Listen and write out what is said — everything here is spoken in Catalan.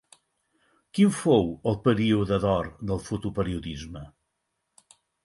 Quin fou el període d'or del fotoperiodisme?